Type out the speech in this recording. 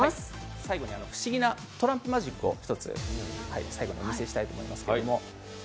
最後に不思議なトランプマジックをお見せしたいと思います。